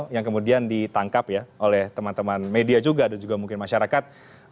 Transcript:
yang kemudian ditangkap ya oleh teman teman media juga dan juga mungkin masyarakat